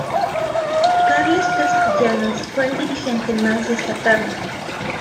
Carles Castellanos fue el dirigente más destacable.